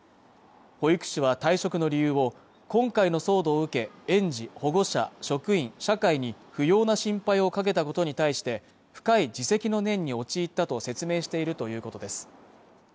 保育士は退職の理由を今回の騒動を受け園児、保護者、職員、社会に不要な心配をかけたことに対して深い自責の念に陥ったと説明しているということです